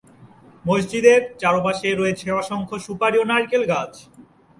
মসজিদের চারপাশে রয়েছে অসংখ্য সুপারি ও নারকেল গাছ।